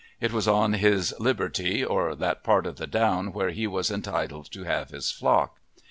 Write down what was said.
It was on his "liberty," or that part of the down where he was entitled to have his flock.